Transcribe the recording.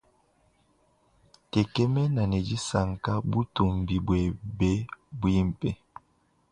Ntekemene ne disanka butumbi bwabe bwimpe.